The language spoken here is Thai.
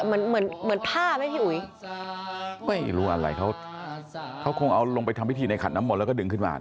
เหมือนเหมือนผ้าไหมพี่อุ๋ยไม่รู้อะไรเขาเขาคงเอาลงไปทำพิธีในขันน้ำมนต์แล้วก็ดึงขึ้นมา